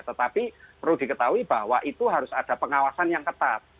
tetapi perlu diketahui bahwa itu harus ada pengawasan yang ketat